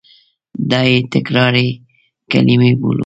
دا یې تکراري کلیمه بولو.